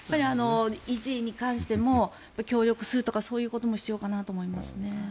維持に関しても協力するとかそういうことも必要かなと思いますね。